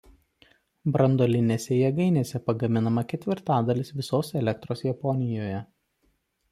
Branduolinėse jėgainėse pagaminama ketvirtadalis visos elektros Japonijoje.